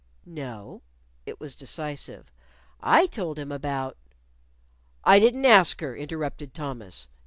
"No." It was decisive, "I told him about " "I didn't ask her," interrupted Thomas.